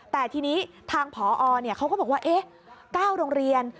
แต่ทีนี้ทางพอเนี่ยเขาก็บอกว่าเอ๊ะ๙โรงเรียน